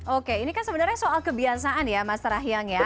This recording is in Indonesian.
oke ini kan sebenarnya soal kebiasaan ya mas rahyang ya